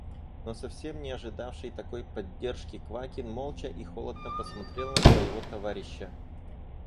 Но совсем не ожидавший такой поддержки Квакин молча и холодно посмотрел на своего товарища.